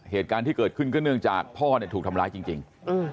เหตุการณ์ที่เกิดขึ้นก็เนื่องจากพ่อถูกทำร้ายจริง